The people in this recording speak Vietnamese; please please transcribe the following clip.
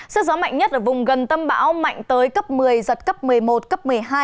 sức gió mạnh nhất ở vùng gần tâm bão mạnh tới cấp một mươi giật cấp một mươi một cấp một mươi hai